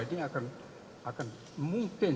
ini akan mungkin